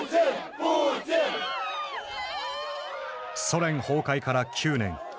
ソ連崩壊から９年。